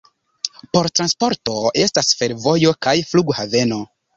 Por transporto estas fervojo kaj flughaveno.